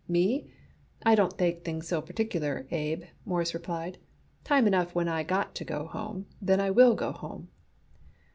"Me, I don't take things so particular, Abe," Morris replied. "Time enough when I got to go home, then I will go home."